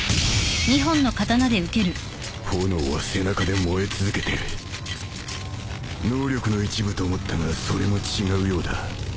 炎は背中で燃え続けてる能力の一部と思ったがそれも違うようだ